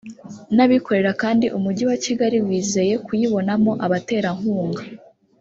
n’abikorera kandi umujyi wa Kigali wizeye kuyibonamo abaterankunga